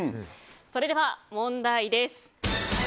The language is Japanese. それでは問題です。